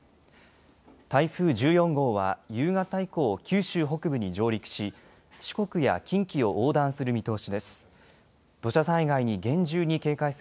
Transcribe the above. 台風１４号は夕方以降九州北部に上陸し四国や近畿を横断する見通しです。